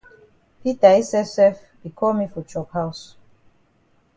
Peter yi sef sef be call me for chop haus.